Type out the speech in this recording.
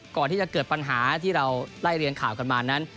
ก่อนที่จะเกิดปัญหาที่เราไล่เรียงข่าวกันมานั้น